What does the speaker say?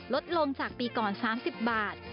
ลดลงจากปีก่อน๓๐บาท